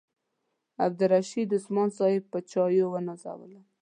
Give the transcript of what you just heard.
عبدالرشید عثمان صاحب په چایو ونازولم.